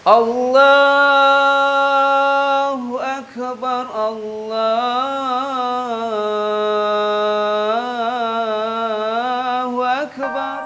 allahu akbar allah